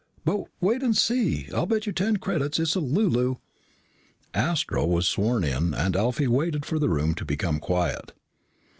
"But wait and see. I'll bet you ten credits it's a lulu." Astro was sworn in and Alfie waited for the room to become quiet.